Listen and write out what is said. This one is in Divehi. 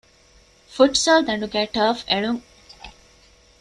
ފުޓްސަލްދަނޑުގައި ޓަރފް އެޅުން